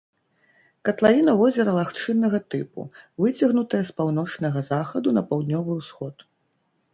Катлавіна возера лагчыннага тыпу, выцягнутая з паўночнага захаду на паўднёвы ўсход.